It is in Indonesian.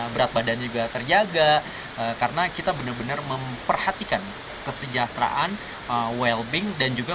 berat badan juga terjaga karena kita benar benar memperhatikan kesejahteraan welbing dan juga